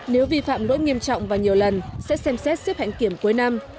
nếu vi phạm lỗi nghiêm trọng và nhiều lần sẽ xem xét xếp hạn kiểm cuối năm